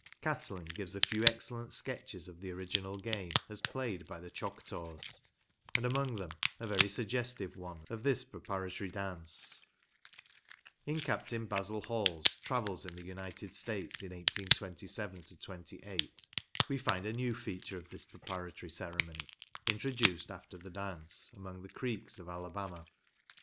Catlin gives a few excellent sketches of the original game as played by the Choctaws, and among them a very suggestive one of this preparatory dance. In Capt. Basil Hall's " Travels in the United States in 1827 28," we find a new feature of this preparatory ceremony, introduced after the dance, among the Creeks of Alabama.